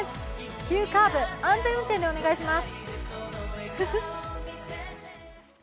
急カーブ、安全運転でお願いします！